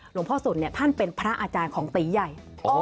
หลวงพ่อสุนเนี่ยท่านเป็นพระอาจารย์ของตีใหญ่